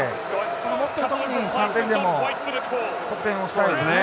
その持ってる時に３点でも得点をしたいですね。